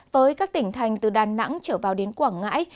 với các tỉnh thành từ đà nẵng trở vào đến quảng ngãi